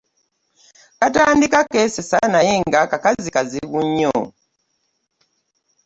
Katandika keesesa naye nga kakazi kazibu nnyo.